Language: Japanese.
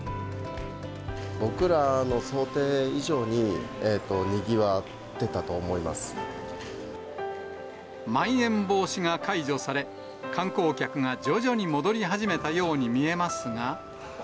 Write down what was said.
僕らの想定以上に、にぎわっまん延防止が解除され、観光客が徐々に戻り始めたように見えますが。